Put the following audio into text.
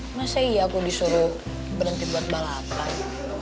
emang saya iya aku disuruh berhenti buat balapan